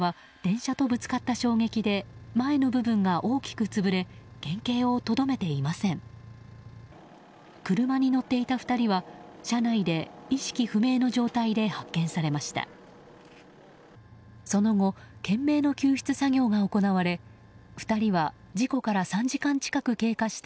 車に乗っていた２人は車内で意識不明の状態で発見されました。